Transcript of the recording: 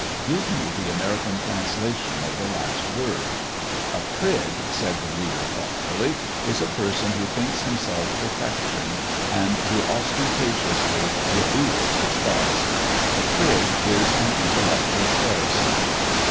"" Give me the American translation of the last word." "A prig," said the reader, thoughtfully, "is a person who thinks himself perfection, and who ostentatiously reveals his thoughts. A prig is an intellectual Pharisee."